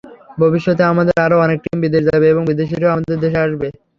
ভবিষ্যতে আমাদের আরও অনেক টিম বিদেশে যাবে এবং বিদেশিরাও আমাদের দেশে আসবে।